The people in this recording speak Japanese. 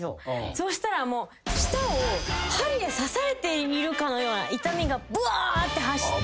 そしたら舌を針で刺されているかのような痛みがぶわーって走って。